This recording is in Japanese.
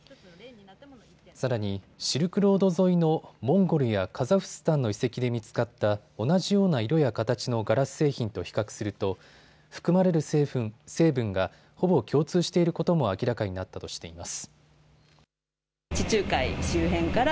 さらにシルクロード沿いのモンゴルやカザフスタンの遺跡で見つかった同じような色や形のガラス製品と比較すると含まれる成分がほぼ共通していることも明らかになったとしています。